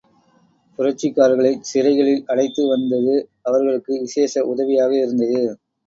புரட்சிக்காரர்களைச் சிறைகளில் அடைத்து வந்தது அவர்களுக்கு விசேஷ உதவியாக இருந்தது.